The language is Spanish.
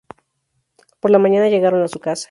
Por la mañana llegaron a su casa.